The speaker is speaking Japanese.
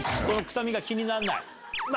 臭みが気にならない。